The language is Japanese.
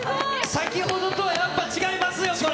先ほどとはやっぱ違いますよ、これ。